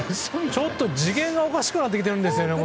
ちょっと次元がおかしくなってきてるんですよね